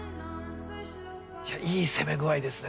いやいい攻め具合ですね